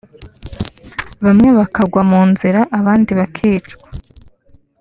bamwe bakagwa mu nzira abandi bakicwa